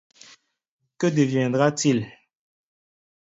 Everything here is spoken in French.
Que deviendra-t-il?